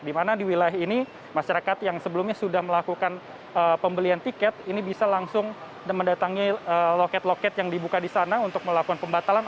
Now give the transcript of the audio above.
di mana di wilayah ini masyarakat yang sebelumnya sudah melakukan pembelian tiket ini bisa langsung mendatangi loket loket yang dibuka di sana untuk melakukan pembatalan